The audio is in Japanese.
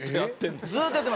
ずっとやってます。